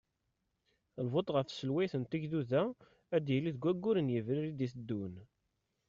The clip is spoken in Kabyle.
Lvot ɣef tselwayt n tegduda ad d-yili deg waggur n Yebrir id-teddun.